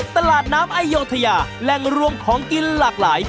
ตลาดน้ำอโยธยาแหล่งรวมของกินหลากหลาย